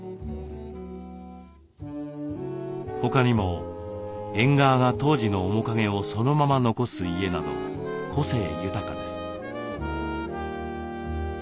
他にも縁側が当時の面影をそのまま残す家など個性豊かです。